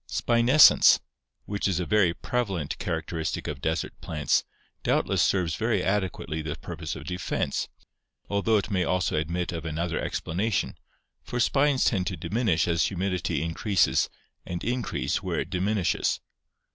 Spinescence, which is a very prevalent characteristic of desert plants, doubtless serves very adequately the purpose of defense, although it may also admit of another explanation, for spines tend to diminish as humidity increases and increase where it diminishes.